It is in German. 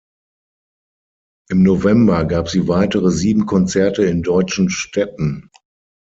Im November gab sie weitere sieben Konzerte in deutschen Städten.